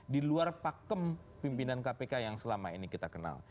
di luar pakem pimpinan kpk yang selama ini kita kenal